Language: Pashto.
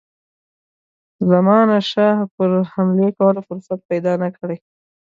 زمانشاه پر حملې کولو فرصت پیدا نه کړي.